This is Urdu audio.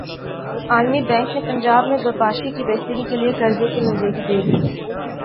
عالمی بینک نے پنجاب میں بپاشی کی بہتری کیلئے قرضے کی منظوری دے دی